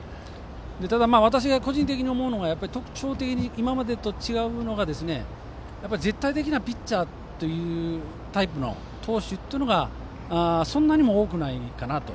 ただ、私が個人的に思うのは特徴的に今までと違うのが、絶対的なピッチャーというタイプの投手というのがそんなにも多くないかなと。